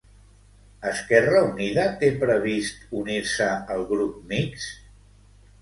Esquerra Unida té previst unir-se al grup mixt?